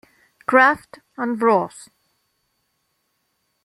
Kraft and Bros.